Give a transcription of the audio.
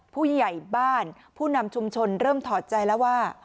ผู้ใหญ่บ้านผู้นำชุมชนเริ่มถอดใจแล้วว่า